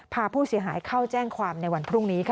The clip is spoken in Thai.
พาผู้เสียหายเข้าแจ้งความในวันพรุ่งนี้ค่ะ